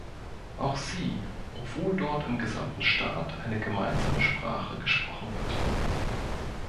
Auch sie, obwohl dort im gesamten Staat eine gemeinsame Sprache gesprochen wird.